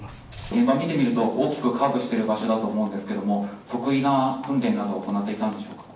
現場見てみると、大きくカーブしてる場所だと思うんですけど、特異な訓練などは行っていたんでしょうか。